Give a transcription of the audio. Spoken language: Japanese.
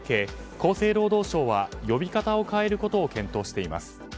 厚生労働省は呼び方を変えることを検討しています。